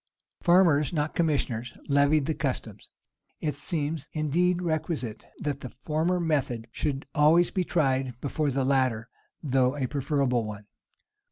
Farmers, not commissioners, levied the customs. It seems, indeed, requisite, that the former method should always be tried before the latter, though a preferable one.